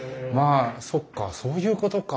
そっかそういうことか。